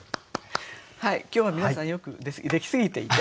今日は皆さんよくできすぎていて。